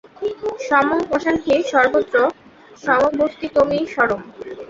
সমং পশ্যন হি সর্বত্র সমবস্থিতমীশ্বরম্।